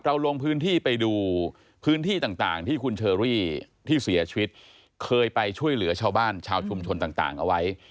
ลงพื้นที่ไปดูพื้นที่ต่างที่คุณเชอรี่ที่เสียชีวิตเคยไปช่วยเหลือชาวบ้านชาวชุมชนต่างเอาไว้